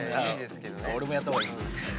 俺もやった方がいい？